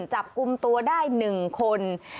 จับกลุ่มตัวได้๑คน